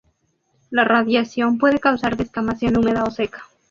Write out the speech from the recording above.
La radiación puede causar descamación húmeda o seca.